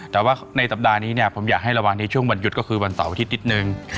แต่ว่าในสัปดาห์นี้ผมอยากให้ระวังในช่วงวันหยุดก็คือวันเสาร์อาทิตย์นิดนึง